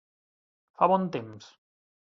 Fa bon temps.